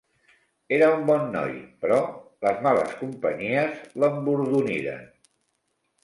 Era un bon noi, però les males companyies l'embordoniren.